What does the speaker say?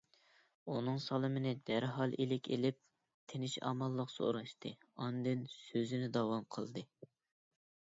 ئۇنىڭ سالىمىنى دەرھال ئىلىك ئېلىپ، تىنچ - ئامانلىق سوراشتى، ئاندىن سۆزىنى داۋام قىلدى: